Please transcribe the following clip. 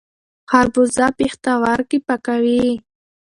خربوزه پښتورګي پاکوي.